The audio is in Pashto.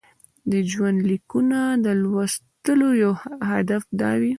د ژوندلیکونو د لوستلو یو هدف دا وي.